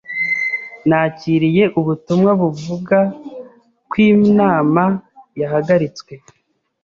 Nakiriye ubutumwa buvuga ko inama yahagaritswe.